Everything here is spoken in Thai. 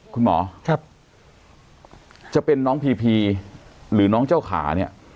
คุณหมอจะเป็นน้องพีพีหรือน้องเจ้าขาเนี่ย